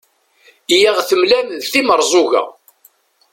i aɣ-temlam d timerẓuga